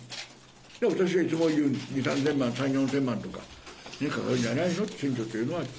で、私がいつも言う、２０００万円、３０００万円とかかかるんじゃないの、選挙というのは。